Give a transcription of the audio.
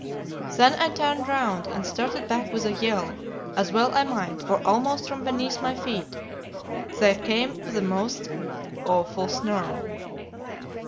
Then I turned round, and started back with a yell as well I might, for almost from beneath my feet there came a most awful snarl.